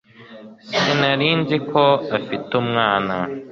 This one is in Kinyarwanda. Sinari nzi ko afite umwana